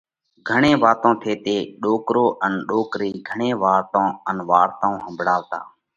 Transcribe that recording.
گھڻي واتون ٿيتي ڏوڪرو ان ڏوڪرئِي گھڻي واتون ان وارتائون ۿمڀۯاوَتا۔